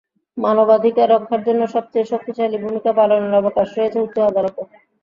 মানবাধিকার রক্ষার জন্য সবচেয়ে শক্তিশালী ভূমিকা পালনের অবকাশ রয়েছে উচ্চ আদালতের।